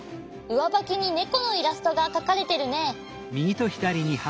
うわばきにネコのイラストがかかれてるね。